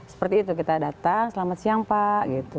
seperti itu kita datang selamat siang pak gitu